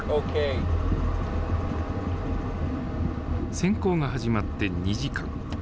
潜航が始まって２時間。